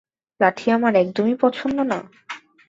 লাঠি আমার একদমই পছন্দ না?